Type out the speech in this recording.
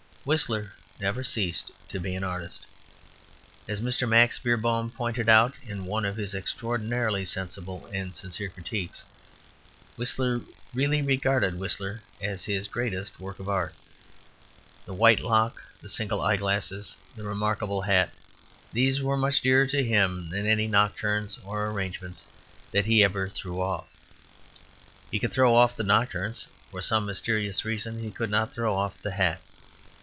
Whistler never ceased to be an artist. As Mr. Max Beerbohm pointed out in one of his extraordinarily sensible and sincere critiques, Whistler really regarded Whistler as his greatest work of art. The white lock, the single eyeglass, the remarkable hat these were much dearer to him than any nocturnes or arrangements that he ever threw off. He could throw off the nocturnes; for some mysterious reason he could not throw off the hat.